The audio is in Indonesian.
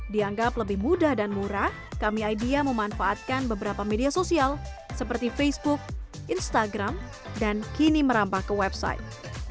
dianggap lebih mudah dan murah kami idea memanfaatkan beberapa media sosial seperti facebook instagram dan kini merampah ke website